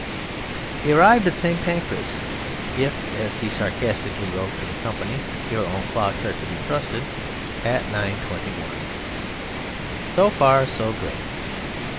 He arrived at St. Pancras. "If," as he sarcastically wrote to the company, "your own clocks are to be trusted," at 9.21. So far so good.